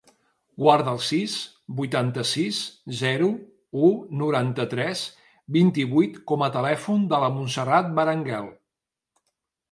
Guarda el sis, vuitanta-sis, zero, u, noranta-tres, vint-i-vuit com a telèfon de la Montserrat Berenguel.